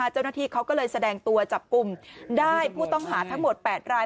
เจ้าหน้าที่เขาก็เลยแสดงตัวจับกลุ่มได้ผู้ต้องหาทั้งหมด๘ราย